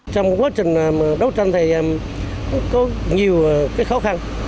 trong quá trình đấu tranh thì có nhiều khó khăn